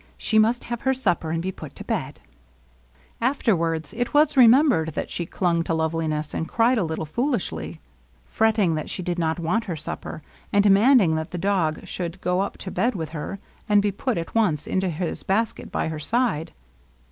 She must have her supper and be put to bed/' Afterwards it was remembered that she clung to Loveliness and cried a little, foolishly ; fretting that she did not want her supper, and demanding that the dog should go up to bed with her and be put at once into his basket by her side.